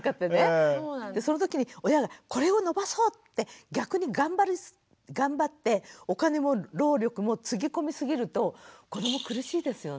その時に親がこれを伸ばそうって逆に頑張ってお金も労力もつぎ込みすぎると子ども苦しいですよね。